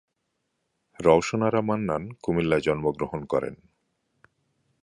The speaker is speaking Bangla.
রওশন আরা মান্নান কুমিল্লায় জন্মগ্রহণ করেন।